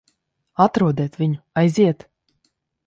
Atrodiet viņu. Aiziet!